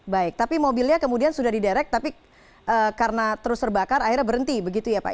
baik tapi mobilnya kemudian sudah diderek tapi karena terus terbakar akhirnya berhenti begitu ya pak